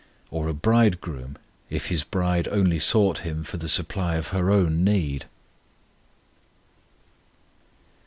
Or a bridegroom, if his bride only sought him for the supply of her own need?